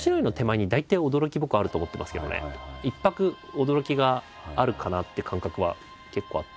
一拍驚きがあるかなっていう感覚は結構あって。